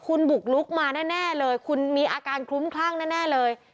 คุณบุกลุกมาแน่เลยคุณมีอาการคลุ้มคลั่งแน่เลย